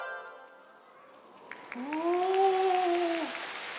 お。